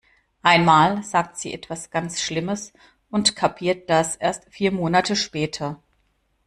Einmal sagt sie etwas ganz schlimmes, und kapiert das erst vier Monate später.